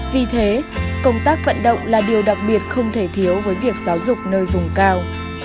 vì thế công tác vận động là điều đặc biệt không thể thiếu với việc giáo dục nơi vùng cao